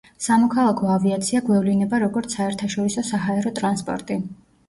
სამოქალაქო ავიაცია გვევლინება როგორც საერთაშორისო საჰაერო ტრანსპორტი.